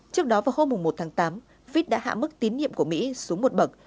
trước đó vào hôm một tháng tám fit đã hạ mức tín nhiệm của mỹ xuống một bậc